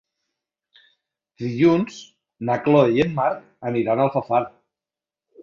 Dilluns na Chloé i en Marc aniran a Alfafar.